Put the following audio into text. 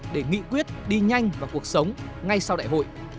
để nghị quyết đi nhanh vào cuộc sống ngay sau đại hội